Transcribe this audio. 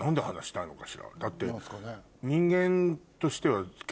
だって。